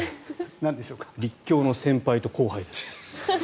立教の先輩と後輩です。